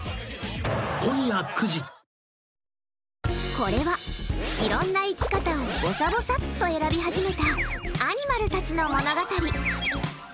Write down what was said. これは、いろんな生き方をぼさぼさっと選び始めたアニマルたちの物語。